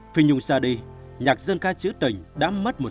phi nhung xa đi nhạc dân ca chữ tình đã mất một